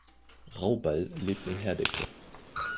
Rauball lebt in Herdecke.